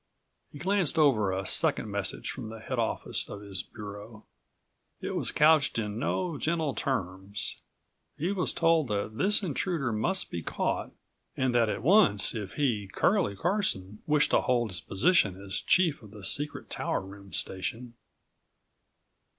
He glanced over a second message from the head office of his bureau. It was couched in no gentle terms. He was told that this intruder must be caught and that at once if he, Curlie Carson, wished to hold his position as chief of the secret tower room station.